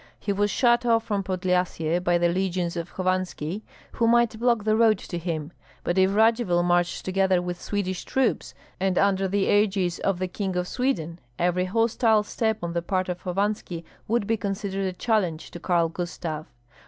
He was shut off from Podlyasye by the legions of Hovanski, who might block the road to him; but if Radzivill marched together with Swedish troops, and under the ægis of the King of Sweden, every hostile step on the part of Hovanski would be considered a challenge to Karl Gustav.